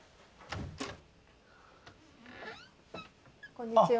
こんにちは。